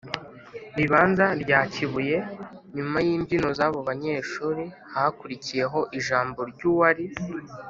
ribanza rya kibuye. nyuma y’imbyino z’abo banyeshuri hakurikiyeho ijambo ry’uwari